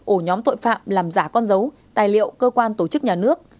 ổ nhóm tội phạm làm giả con dấu tài liệu cơ quan tổ chức nhà nước